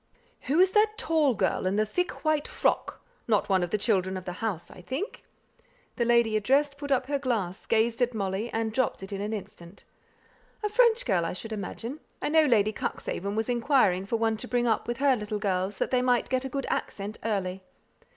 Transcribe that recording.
"Who is that tall girl in the thick white frock? Not one of the children of the house, I think?" The lady addressed put up her glass, gazed at Molly, and dropped it in an instant. "A French girl, I should imagine. I know Lady Cuxhaven was inquiring for one to bring up with her little girls, that they might get a good accent early.